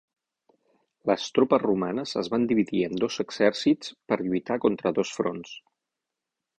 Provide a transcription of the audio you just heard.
Les tropes romanes es van dividir en dos exèrcits per lluitar contra dos fronts.